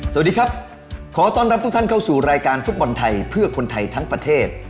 สวัสดีครับขอต้อนรับทุกท่านเข้าสู่รายการฟุตบอลไทยเพื่อคนไทยทั้งประเทศ